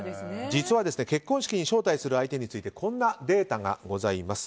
実は結婚式に招待する相手についてこんなデータがございます。